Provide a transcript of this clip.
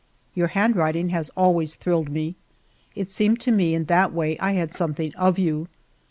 Your handwriting has always thrilled me; it seemed to me in that way I had something of you.